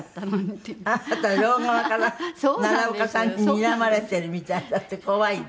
あなた両側から奈良岡さんににらまれてるみたいだって怖いって。